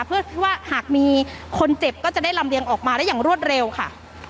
เพื่อว่าหากมีคนเจ็บก็จะได้ลำเลียงออกมาได้อย่างรวดเร็วค่ะ